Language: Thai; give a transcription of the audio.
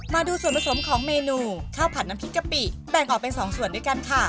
มาดูส่วนผสมของเมนูข้าวผัดน้ำพริกกะปิแบ่งออกเป็น๒ส่วนด้วยกันค่ะ